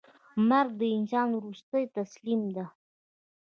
مرګ د انسان وروستۍ تسلیم ده.